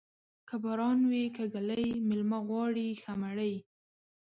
که باران وې که ږلۍ، مېلمه غواړي ښه مړۍ.